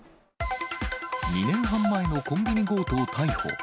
２年半前のコンビニ強盗逮捕。